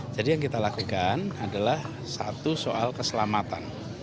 jadi yang kita lakukan adalah satu soal keselamatan